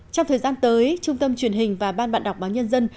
trong thời gian tới trung tâm truyền hình và ban bạn đọc báo nhân dân